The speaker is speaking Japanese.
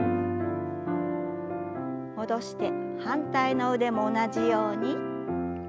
戻して反対の腕も同じように。